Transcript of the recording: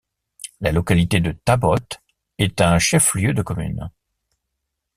La localité de Taboth est un chef-lieu de commune.